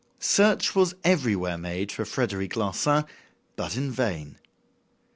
Search was everywhere made for Frederic Larsan, but in vain.